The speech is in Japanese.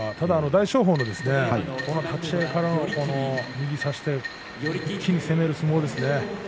大翔鵬立ち合いからの右差し一気に攻める相撲ですね。